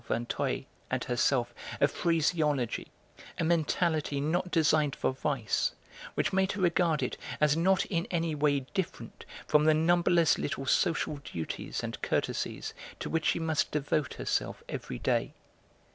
Vinteuil and herself a phraseology, a mentality not designed for vice, which made her regard it as not in any way different from the numberless little social duties and courtesies to which she must devote herself every day.